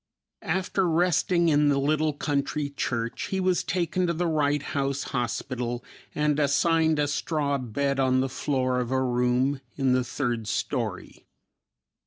After resting in the little country church he was taken to the Wright House Hospital and assigned a straw bed on the floor of a room in the third story.